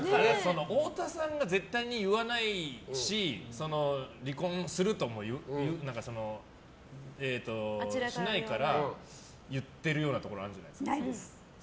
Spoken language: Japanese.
太田さんが絶対に言わないし離婚しないから言ってるようなところはないんですか？